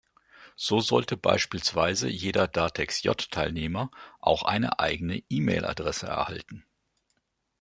So sollte beispielsweise jeder Datex-J-Teilnehmer auch eine eigene E-Mail-Adresse erhalten.